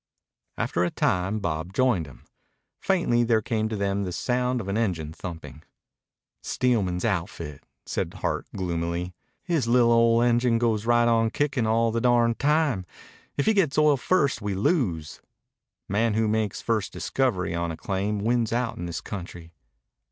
After a time Bob joined him. Faintly there came to them the sound of an engine thumping. "Steelman's outfit," said Hart gloomily. "His li'l' old engine goes right on kickin' all the darned time. If he gets to oil first we lose. Man who makes first discovery on a claim wins out in this country."